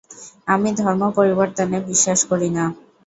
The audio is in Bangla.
আমি ধর্ম পরিবর্তনে বিশ্বাস করি না।